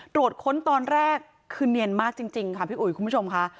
ตรวจค้นตอนแรกคือเนียนมากจริงค่ะพี่อุ๋ยคุณผู้ชมค่ะ